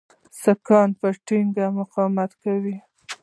سیکهان به ټینګ مقاومت وکړي.